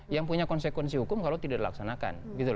yang punya konsekuensi hukum kalau tidak dilaksanakan